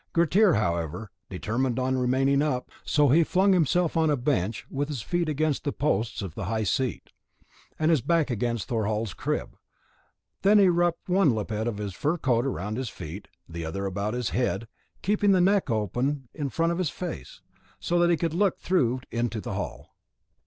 Grettir, however, determined on remaining up; so he flung himself on a bench with his feet against the posts of the high seat, and his back against Thorhall's crib; then he wrapped one lappet of his fur coat round his feet, the other about his head, keeping the neck opening in front of his face, so that he could look through into the hall.